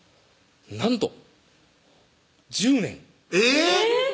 なんと１０年えぇっ！